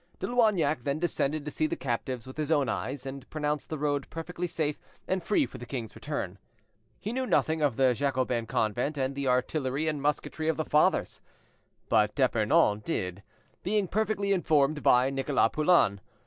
De Loignac then descended to see the captives with his own eyes, and pronounced the road perfectly safe and free for the king's return. He knew nothing of the Jacobin convent, and the artillery and musketry of the fathers. But D'Epernon did, being perfectly informed by Nicholas Poulain.